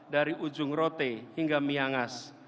dari ujung rote hingga miangas